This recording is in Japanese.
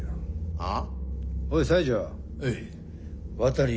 はあ？